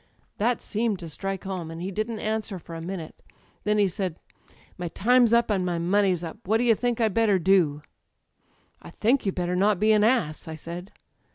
''That seemed to strike home, and he didn't answer for a minute. Then he said: 'My time's up and my money's up. What do you think I'd better do?' "'I think you'd better not be an ass,' I said.